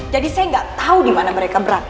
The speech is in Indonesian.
jadi saya gak tau dimana mereka berada